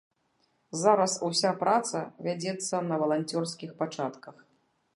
Зараз уся праца вядзецца на валанцёрскіх пачатках.